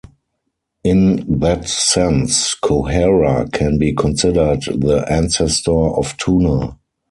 In that sense, Kohara can be considered the "ancestor of tuna".